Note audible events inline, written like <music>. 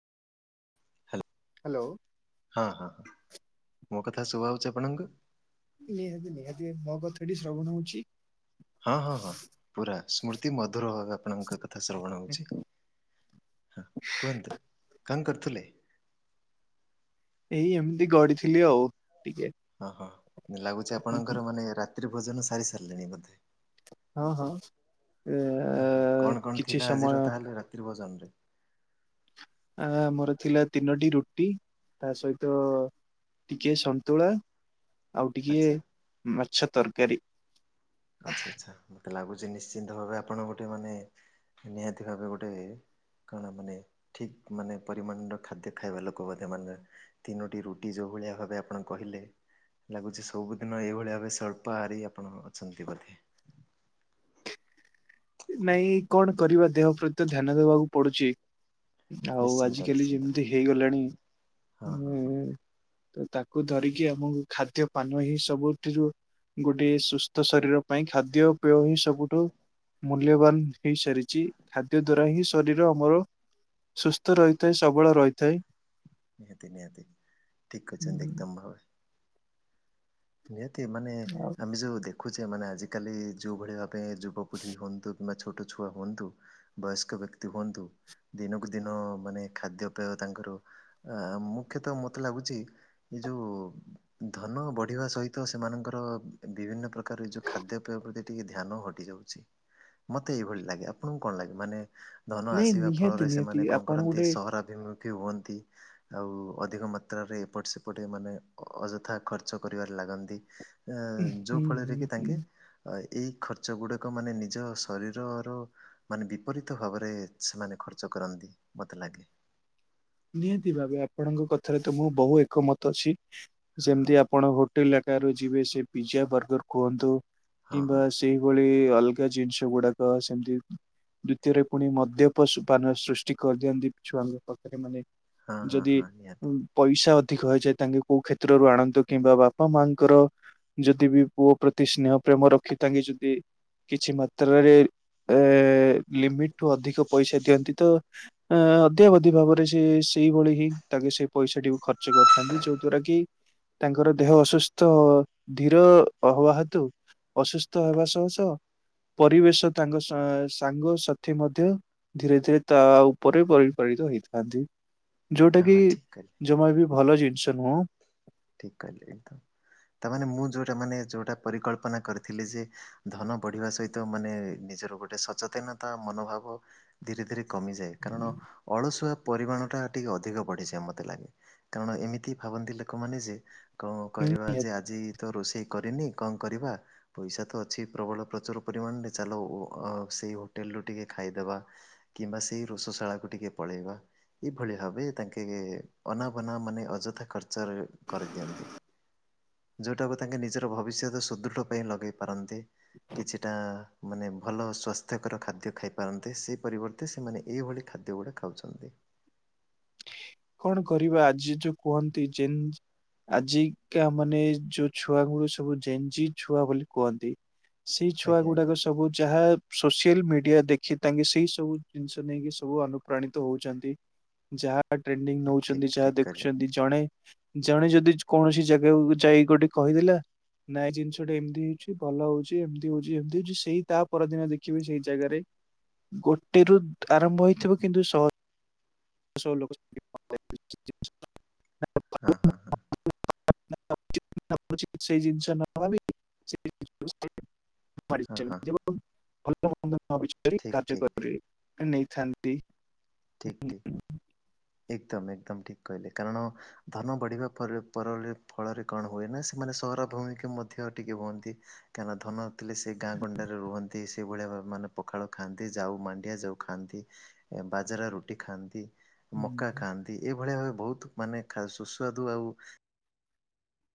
Hello. Hello. ହଁ ହଁ ମୋ କଥା ଶୁଭା ଯାଉଛି ଆପଣଙ୍କୁ। ନିହାତି ନିହାତି ମୋ କଥାଟି ଶ୍ରବଣ ହଉଛି। ହଁ ହଁ ହଁ ପୁରା ସ୍ମୃତି ମଧୁର <unintelligible> କଥା ଶ୍ରବଣ ହଉଛି। ହଁ କୁହନ୍ତୁ କଣ କରୁଥିଲେ। ଏଇ ଏମିତି ଗଡିଥିଲି ଆଉ ଟିକେ। ହଁ ହଁ ଲାଗୁଛି ହୁଁ ହୁଁ ଆପଣଙ୍କର ମାନେ ରାତ୍ରି ଭୋଜନ ସାରି ସାରିଲେଣି ବୋଧେ। ହଁ ହଁ ଏ ହ କଣ କଣ କିଛି ଥିଲା ସମୟ ଆଜିର ତାହେଲେ ରାତ୍ରି ଭୋଜନ ରେ। ଆ ମୋର ଥିଲା ତିନୋଟି ରୁଟି ତା ସହିତ। ଟିକେ ସନ୍ତୁଳା ଆଉ ଟିକେ ଆଚ୍ଛା ମାଛ ତରକାରୀ। ଆଚ୍ଛା ଆଚ୍ଛା ମତେ ଲାଗୁଛି ନିଶ୍ଚିନ୍ତ ଭାବେ ଆପଣ ଗୋଟେ ମାନେ ନିହାତି ଭାବେ ଗୋଟେ। କାରଣ ମାନେ ଠିକ୍ ମାନେ ପରିମାଣର ଖାଦ୍ୟ ଖାଇବା ଲୋକ ମଧ୍ୟ ମାନେ। ତିନୋଟି ରୁଟି ଯୋଉ ଭଳିଆ ଭାବେ ଆପଣ କହିଲେ। ଲାଗୁଛି ସବୁଦିନ ଏଇଭଳି ଭାବେ ସ୍ୱଳ୍ପ ହାରି ଆପଣ ଅଛନ୍ତି ବୋଧେ। ନାଇଁ କଣ କରିବା ଦେହ ପ୍ରତି ଧ୍ୟାନ ଦବାକୁ ପଡୁଛି। ଆଉ ନିଶ୍ଚିନ୍ତ ଆଜିିକାଲି ନିଶ୍ଚିନ୍ତ ଯେମିତି ହେଇଗଲାଣି। ହଁ ହଁ ହଁ ତ ତାକୁ ଧରିକି ଆମକୁ ଖାଦ୍ୟ ପାନ ହିଁ ସବୁଥିରୁ। ଗୋଟେ ସୁସ୍ଥ ଶରୀର ପାଇଁ ଖାଦ୍ୟ ପେୟ ହିଁ ସବୁଠୁ ମୂଲ୍ୟବାନ ହେଇସାରିଛି, ଖାଦ୍ୟ ଦ୍ଵାରା ହିଁ ଶରୀର ଆମର। ସୁସ୍ଥ ରହିଥାଏ ସବଳ ରହିଥାଏ। ନିହାତି ନିହାତି, ଠିକ୍ କହିଛନ୍ତି ଏକଦମ୍ ଭାବେ। ନିହାତି ମାନେ ଆଉ ଆମେ ଯୋଉ ଦେଖୁଛେ ମାନେ ଆଜିକାଲି ଯୋଉ ଭଳି ଭାବେ ଯୁବପିଢ଼ି ହୁଅନ୍ତୁ। କିମ୍ବା ଛୋଟ ଛୁଆ ହୁଅନ୍ତୁ, ବୟସ୍କ ବ୍ୟକ୍ତି ହୁଅନ୍ତୁ। ଦିନକୁ ଦିନ ମାନେ ଖାଦ୍ୟପେୟ ତାଙ୍କର ଆ ମୁଖ୍ୟତଃ ମତେ ଲାଗୁଛି ଏ ଯୋଉ ଧନ ବ ଢ଼ିବା ସହିତ ସେମାନଙ୍କର ବିଭିନ୍ନ ପ୍ରକାର ଯୋଉ ଖାଦ୍ୟପେୟ ପ୍ରତି ଟିକିଏ ଧ୍ୟାନ ହଟିଯାଉଛି। ମତେ ଏଇଭଳି ଲାଗେ ଆପଣଙ୍କୁ କଣ ଲାଗେ ମାନେ? ଧନ ନାଇଁ ଆସିବା ନିହାତି ଫଳରେ ନିହାତି ସେମାନେ କଣ ଆପଣ କରନ୍ତି ଗୋଟେ ସହରାଭିମୁ ଖି ହୁଅନ୍ତି, ଆଉ ଅଧିକ ମାତ୍ରାରେ ଏପଟ୍ ସେପଟ୍ ମାନେ ଅଯଥା ଖର୍ ର୍ଚ୍ଚ କରିବାରେ ଲାଗନ୍ତି ଆ ହୁଁ ଯୋଉ ଫଳରେ ହୁଁ କି ହୁଁ ତାଙ୍କେ ଆ ଏଇ ଖର୍ଚ୍ଚ ଗୁଡ଼ାକ ମାନେ ନିଜ ଶରୀରର ମାନେ ବିପରୀତ ଭାବରେ ସେମାନେ ଖର୍ଚ୍ଚ କରନ୍ତି ମୋତେ ଲାଗେ। ନିହାତି ଭାବେ ଆପଣଙ୍କ କଥାରେ ତ ମୁଁ ବହୁ ଏକମତ ଅଛି, ହଁ ହଁ ଯେମିତି ଆପଣ ହୋ <unintelligible> ଯିବେ ସେ ପିଜ୍ଜା ବର୍ଗର କୁହନ୍ତୁ ହଁ ହଁ କିମ୍ବା ସେଇଭଳି ଅଲଗା ଜିନିଷ ଗୁଡ଼ାକ ସେମତି ଦୁତୀୟରେ ପୁଣି ମଦ୍ୟପସୁପାନ ସୃଷ୍ଟି କରିଦିଅନ୍ତି ଛୁଆଙ୍ଗକ। ଏମାନେ ହଁ ହଁ ଯଦି ହଁ ନିହାତି ପଇସା ଅଧିକ ହେଇଯାଏ ତାଙ୍କେ କୋଉ କ୍ଷେତ୍ରରୁ ଆଣନ୍ତୁ କିମ୍ବା ବାପା ମାଆଙ୍କର ଯଦି ବି ପୁଅ ପ୍ରତି ସ୍ନେହ ପ୍ରେମ ରଖି ତାଙ୍କେ ଯଦି କିଛି ମାତ୍ରାରେ ଏ ଲିମିଟରୁ ଅଧିକ ପଇସା ଦିଅନ୍ତି ତ ଆ ଅତ୍ୟାଭତି ଭାବ ସେ ସେଇଭଳି ହିଁ ତାଙ୍କେ ସେ ପଇସା ଟିକୁ ଖର୍ଚ୍ଚ କରିଥାନ୍ତି ଯୋଉ ଦ୍ଵାରା କି ତାଙ୍କର ଦେହ ଅସୁସ୍ଥ ଧୀର ଆ ହବା ହେତୁ ଅସୁସ୍ଥ ହେବା ସହ ସହ ପରିବେଶ ତାଙ୍କ ସାଂ ସାଙ୍ଗସାଥି ମଧ୍ୟ ଧୀରେ ଧୀରେ ତା ଉପରେ ପରିପାଳିତ ହେଇଥା ଥାନ୍ତି, ଯୋଉଟା ହଁ କି ହଁ ଠିକ୍ କହିଲେ ଜମା ବି ଭଲ ଜିନିଷ ନୁହଁ। ଠିକ୍ କହିଲେ ଏଇତ। ତାମାନେ ମୁଁ ଯୋଉଟା ମାନେ ଯୋଉଟା ପରିକଳ୍ପନା କରିଥିଲି ଯେ ଧନ ବଢିବା ସହିତ ମାନେ ନିଜର ଗୋ ଟେ ସଚେତନତା ମନୋଭାବ ଧୀରେ ଧୀରେ କମିଯାଏ କାରଣ ଅଳସୁଆ ପରିମାଣଟା ଟିକେ ଅଧିକ ବଢିଯାଏ ମତେ ଲାଗେ, କାରଣ ଏମିତି ଭାବନ୍ତି ଲୋକମାନେ ଯେ କଣ କରିବା ଯେ ନିହାତି ଆଜି ତ ରୋଷେଇ କରିନି କଣ କରିବା? ପଇସା ତ ଅଛି ପ୍ରବଳ ପ୍ରଚୁର ପରିମାଣରେ ଚାଲ ଓ ଅ ସେଇ ହୋଟେଲରୁୁ ଟିକେ ଖାଇଦବା। କିମ୍ବା ସେଇ ରୋଷଶାଳାକୁ ଟିକେ ପଳେଇବା। ଏଭଳି ଭାବେ ତାଙ୍କେ ଅନାବନା ମାନେ ଅଯଥା ଖର୍ ର୍ଚ୍ଚରେ କରିଦିଅନ୍ତି। ଯୋଉଟାକୁ ତାଙ୍କେ ନିଜର ଭବିଷ୍ୟତ ସୁଦୃଢ଼ ପାଇଁ ଲଗେଇ ପାରନ୍ତି କିଛିଟା। ମାନେ ଭଲ ସ୍ୱାସ୍ଥ୍ୟକର ଖାଦ୍ୟ ଖାଇପାରନ୍ତେ ସେହି ପରିବର୍ତ୍ତେ ସେମାନେ ଏଇଭଳି ଖାଦ୍ୟ ଗୁଡ଼ା ଖାଉଛନ୍ତି। କଣ କରିବା ଆଜି ଯୋଉ କୁହନ୍ତି ଯେନ୍ ଆଜିକା ମାନେ ଯୋଉ ଛୁଆକୁ ସବୁ ଜେଞ୍ଜି ଛୁଆ ବୋଲି କୁହନ୍ତି। ସେଇ ଛୁଆ ଆଜ୍ଞା ଗୁଡ଼ାକ ଆଜ୍ଞା ସ ସବୁ ଯାହା ସୋସିଆଲ ମିଡ଼ିଆ ଦେଖି ତାଙ୍କେ ସେଇ ସବୁ ଜିନିଷ ନେଇକି ସବୁ ଅନୁପ୍ରାଣିତ ହଉଛନ୍ତି। ଯାହା ପା ଟ୍ରେଣ୍ଡିଙ୍ଗ ଠିକ୍ ନଉଛନ୍ତି ଠିକ୍ ଯାହା ଠିକ୍ କହିଲେ ଦେଖୁଛନ୍ତି। ଜଣେ ଜଣେ ଯଦି କୌଣସି ଜାଗାକୁ ଯାଇ ଗୋଟେ କହିଦେଲା ନାଇଁ, ଜିନିଷ ଟେ ଏମିତି ହେଇଛି, ଭଲ ହଉଛି ଏମିତି ହଉଛି ଏମିତି ହଉଛି। ସେଇ ତା ପରଦିନ ଦେଖିବି ସେଇ ଜାଗାରେ। ଗୋଟେ ରୁ ଆରମ୍ଭ ହେଇଥିବ କିନ୍ତୁ ଶ ଆଉ ସବୁ <unintelligible> ହଁ ହଁ ହଁ <unintelligible> ସେଇ ଜିନିଷ ନ ଭାବି <unintelligible> ହଁ ହଁ <unintelligible> କାର୍ଯ୍ୟ ଠିକ୍ ଠିକ୍ କରିବେ ନେଇଥାନ୍ତି କେଇ। ଠିକ୍ ଠିକ୍। ଏକକାମ୍ ଏକକାମ୍, ଠିକ୍ କହିଲେ, କାରଣ ଧନ ବଢିବା ଫରରେ ପରରେ ଫଳରେ କଣ ହୁଏ ନାଁ ସେମାନେ ସହର ଭୂମିିକ ମଧ୍ୟ ଟିକେ ହୁଅନ୍ତି। କାଁହେଲା ଧନ ଥିଲେ ସେ ଗାଁ ଗଣ୍ଡାରେ ରୁହନ୍ତି, ସେଇଭଳିଆ ମାନେ ପଖାଳ ଖାଆନ୍ତି, ଯାଉଁ ମାଣ୍ଡିଆ ଯୋଉଁ ଖାଆନ୍ତି ବାଜାରା ରୁଟି, ଖାଆନ୍ତି। ମକା ଖାଆନ୍ତି, ଏଇଭଳିଆ ଭାବେ ବହୁତ ମାନେ ସୁସ୍ୱାଦୁ ଆଉ